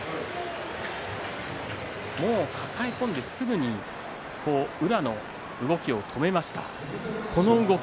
抱え込んで、すぐに宇良の動きを止めました。